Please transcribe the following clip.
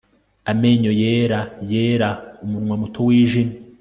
amenyo yera yera, umunwa muto wijimye